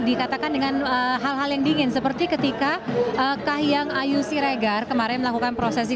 dikatakan dengan hal hal yang dingin seperti ketika kahiyang ayu siregar kemarin melakukan prosesi